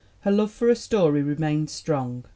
Her love for a story remained strong.